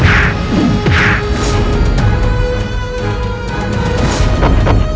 aku akan ber equity